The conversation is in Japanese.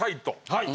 はい。